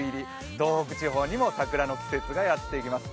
東北地方にも桜の季節がやってきます。